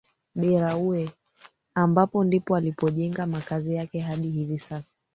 Beraue ambapo ndipo alipojenga makazi yake hadi hivi sasa